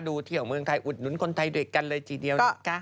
เที่ยวเมืองไทยอุดหนุนคนไทยด้วยกันเลยทีเดียวนะคะ